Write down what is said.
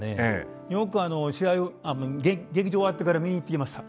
よく試合を劇場終わってから見に行ってきました。